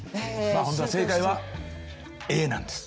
まあ本当は正解はＡなんです。